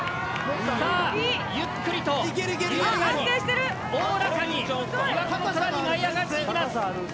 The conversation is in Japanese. さあゆっくりと優雅におおらかに琵琶湖の空に舞い上がっていきます。